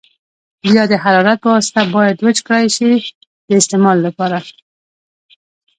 بیا د حرارت په واسطه باید وچ کړای شي د استعمال لپاره.